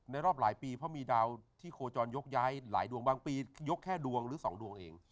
รอบหลายปีเพราะมีดาวที่โคจรยกย้ายหลายดวงบางปียกแค่ดวงหรือ๒ดวงเอง